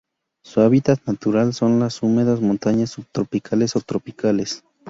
Su hábitat natural son la húmedas montañas subtropicales o tropicales.